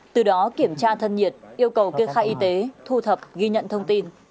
từ đó kiểm tra thân nhiệt yêu cầu kê khai y tế thu thập ghi nhận thông tin